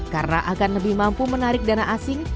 karena akan lebih mampu menarik dana asing